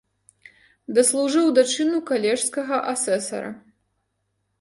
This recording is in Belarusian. Даслужыў да чыну калежскага асэсара.